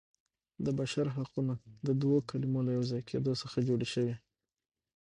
د بشر حقونه د دوو کلمو له یو ځای کیدو څخه جوړ شوي.